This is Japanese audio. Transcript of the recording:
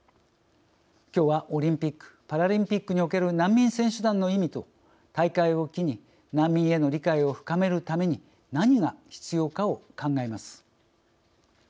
きょうはオリンピック・パラリンピックにおける難民選手団の意味と大会を機に難民への理解を深めるために何が必要かを考えます。